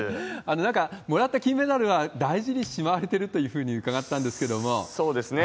なんか、もらった金メダルは大事にしまわれてるというふうにそうですね。